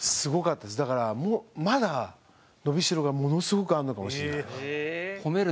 だからまだ伸び代がものすごくあるのかもしれない。